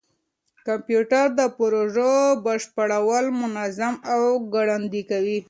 کمپيوټر د پروژو بشپړول منظم او ګړندي کوي.